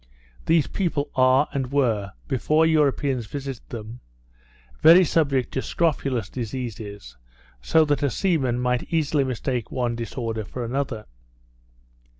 These people are, and were, before Europeans visited them, very subject to scrophulous diseases, so that a seaman might easily mistake one disorder for another.